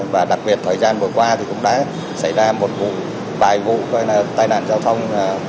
và đặc biệt thời gian vừa qua thì cũng đã xảy ra một vụ vài vụ gọi là tai nạn giao thông